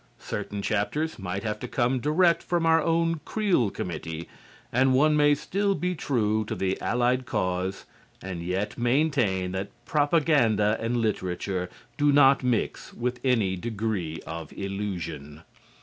Certain chapters might have come direct from our own Creel committee, and one may still be true to the Allied cause and yet maintain that propaganda and literature do not mix with any degree of illusion.